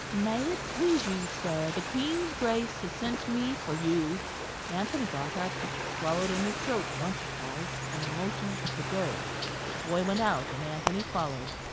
"May it please you, sir, the Queen's Grace has sent me for you." Anthony got up, swallowed in his throat once or twice, and motioned to go; the boy went out and Anthony followed.